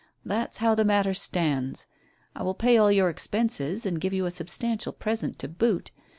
That's how the matter stands. I will pay all your expenses and give you a substantial present to boot.